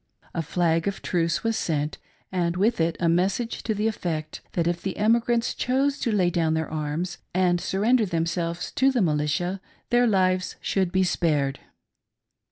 A flag of truce was sent, and with it 330; THE FLAG OF TRUCE. a message to the effect that, if the emigrants chose to lay down their arms and .surrender themselves to the miUtia, their lives should be spared.